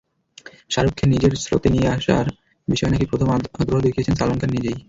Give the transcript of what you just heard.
শাহরুখকে নিজের শোতে নিয়ে আসার বিষয়ে নাকি প্রথম আগ্রহ দেখিয়েছেন সালমান খান নিজেই।